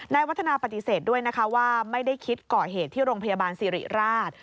วัฒนาปฏิเสธด้วยนะคะว่าไม่ได้คิดก่อเหตุที่โรงพยาบาลสิริราช